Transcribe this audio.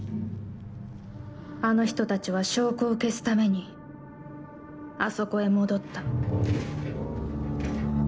あの人たちは証拠を消すためにあそこへ戻った。